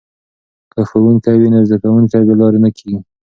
که ښوونکی وي نو زده کوونکي بې لارې نه کیږي.